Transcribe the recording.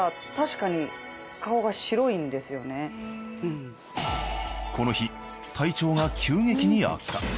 お前この日体調が急激に悪化。